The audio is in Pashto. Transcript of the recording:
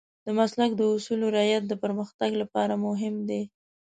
د مسلک د اصولو رعایت د پرمختګ لپاره مهم دی.